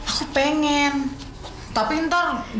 aku pengen tapi entah apa yang akan terjadi